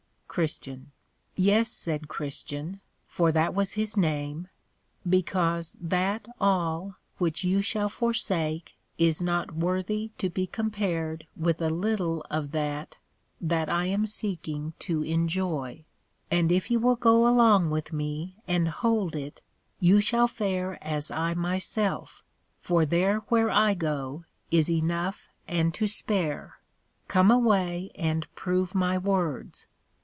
CHR. Yes, said Christian, for that was his name, because that all which you shall forsake is not worthy to be compared with a little of that that I am seeking to enjoy; and if you will go along with me and hold it, you shall fare as I myself; for there where I go, is enough and to spare: Come away, and prove my words.